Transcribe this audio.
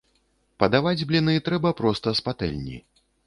Падаваць бліны трэба проста з патэльні.